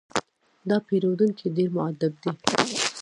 دا پیرودونکی ډېر مؤدب دی.